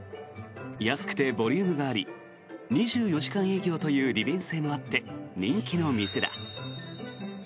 安くてボリュームがあり２４時間営業という利便性もあって人気の店だ。